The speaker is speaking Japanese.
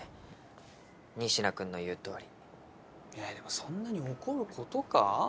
仁科君の言うとおりいやでもそんなに怒ることか？